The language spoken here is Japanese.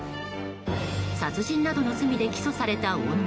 殺人などの罪で起訴された女。